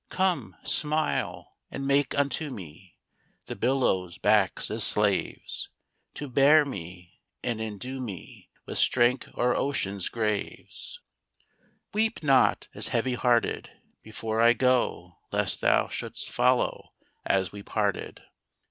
Come, smile! and make unto me The billows' backs as slaves To bear me and indue me With strength o'er ocean's graves. III Weep not, as heavy hearted Before I go! lest thou Shouldst follow as we parted.